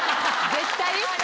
絶対？